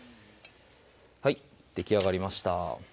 はいできあがりました